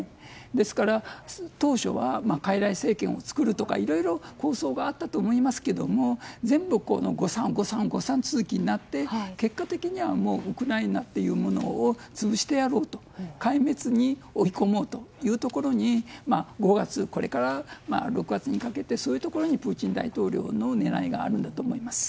ですから当初は傀儡政権を作るとかいろいろ構想があったと思いますけれども全部、誤算、誤算続きになって結果的にはウクライナというものを潰してやろう、壊滅に追い込もうというところに５月、これから６月にかけてそういうところにプーチン大統領の狙いがあるんだと思います。